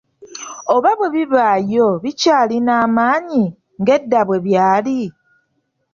Oba bwe bibaayo bikyalina amaanyi ng’edda bwe byali?